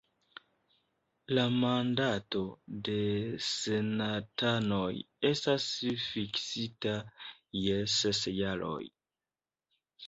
La mandato de senatanoj estas fiksita je ses jaroj.